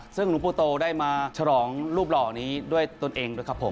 ซึ่งหนูปุธโตได้ชะลองรูปลอร์นี้ด้วยตนเองด้วยครับผม